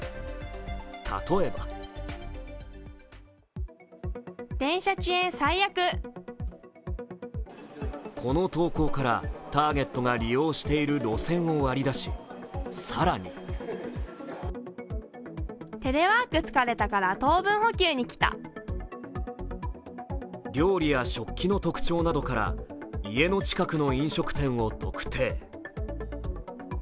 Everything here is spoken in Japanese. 例えばこの投稿からターゲットが利用している路線を割り出し、更に料理や食器の特徴などから家の近くの飲食店を特定。